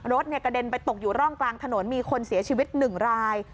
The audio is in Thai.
รถกระเด็นไปตกอยู่ร่องกลางถนนมีคนเสียชีวิต๑ราย